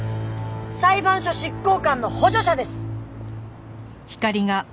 裁判所執行官の補助者です！